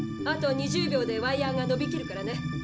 あと２０秒でワイヤーがのびきるからね。